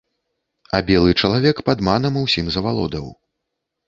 А белы чалавек падманам усім завалодаў.